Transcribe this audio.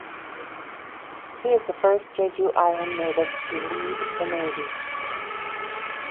He is the first Jeju Island native to lead the Navy.